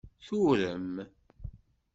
Turem.